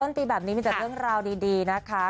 ต้นปีแบบนี้มีแต่เรื่องราวดีนะคะ